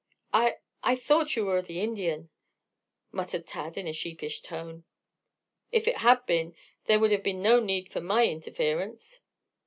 "I I thought you were the Indian," mattered Tad in a sheepish tone. "If it had been, there would have been no need for my interference."